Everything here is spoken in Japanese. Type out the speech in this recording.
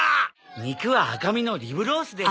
肉は赤身のリブロースです。